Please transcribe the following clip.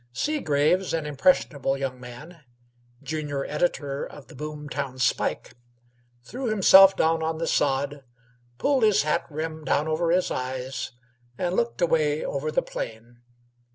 Seagraves, an impressionable young man (junior editor of the Boomtown Spike), threw himself down on the sod, pulled his hat rim down over his eyes, and looked away over the plain.